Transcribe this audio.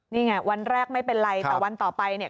นี่ไงวันแรกไม่เป็นไรแต่วันต่อไปเนี่ย